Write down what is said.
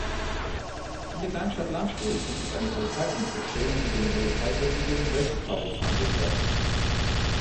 In der Kleinstadt Landstuhl gibt es eine Polizeiinspektion, die dem Polizeipräsidium Westpfalz angehört.